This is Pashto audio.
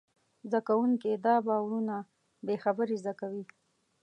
زدهکوونکي دا باورونه بېخبري زده کوي.